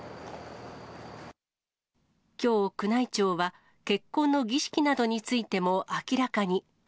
きょう、宮内庁は結婚の儀式などについても明らかに。